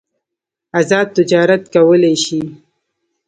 ازاد تجارت کولای شي.